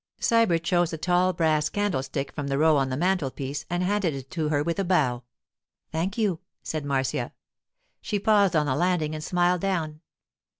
Sybert chose a tall brass candlestick from the row on the mantelpiece and handed it to her with a bow. 'Thank you,' said Marcia. She paused on the landing and smiled down.